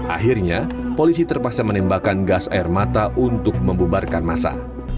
akhirnya polisi terpaksa menembakkan gas air mata untuk membubarkan masa